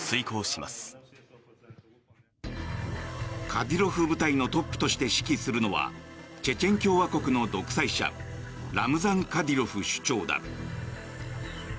カディロフ部隊のトップとして指揮するのはチェチェン共和国の独裁者ラムザン・カディロフ首長だ。